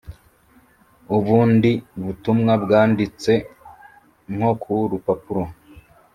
ubundi butumwa bwanditse nko ku rupapuro,